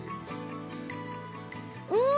うん！